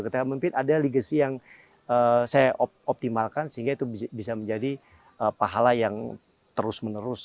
ketika memimpin ada legacy yang saya optimalkan sehingga itu bisa menjadi pahala yang terus menerus